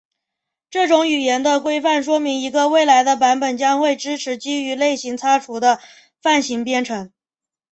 这种语言的规范说明一个未来的版本将会支持基于类型擦除的泛型编程。